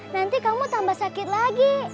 nanti kamu tambah sakit lagi